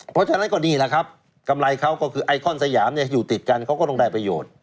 เพราะฉะนั้นก็นี่แหละครับกำไรเขาก็คือไอคอนสยามอยู่ติดกันเขาก็ต้องได้ประโยชน์